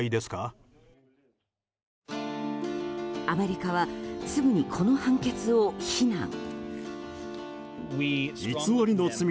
アメリカはすぐにこの判決を非難。